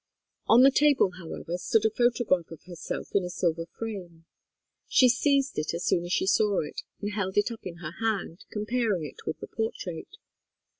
On the table, however, stood a photograph of herself in a silver frame. She seized it as soon as she saw it and held it up in her hand, comparing it with the portrait.